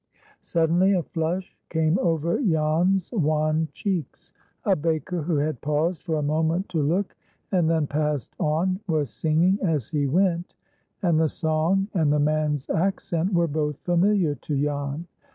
Suddenly a flush came over Jan's wan cheeks. A baker who had paused for a moment to look, and then passed on, was singing as he went, and the song and the man's accent were both familiar to Jan.